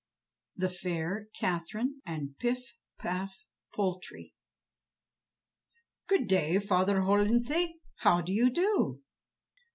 The Fair Catherine and Pif Paf Poltrie "Good Day, Father Hollenthe. How do you do?"